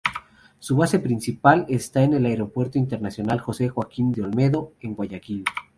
Su base principal está en el Aeropuerto Internacional Jose Joaquin de Olmedo en Guayaquil.